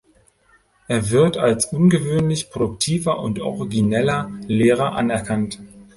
Er wird als ungewöhnlich produktiver und origineller Lehrer anerkannt.